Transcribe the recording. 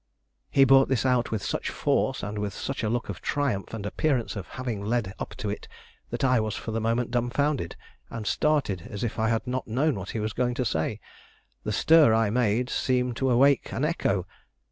He brought this out with such force, and with such a look of triumph and appearance of having led up to it, that I was for the moment dumbfounded, and started as if I had not known what he was going to say. The stir I made seemed to awake an echo.